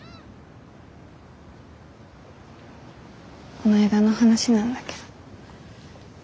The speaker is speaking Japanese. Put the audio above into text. こないだの話なんだけど。